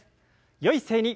よい姿勢に。